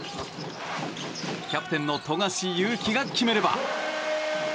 キャプテンの富樫勇樹が決めれば。